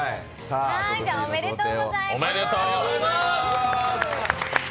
おめでとうございます。